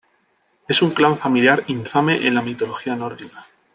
Es un clan familiar infame en la mitología nórdica.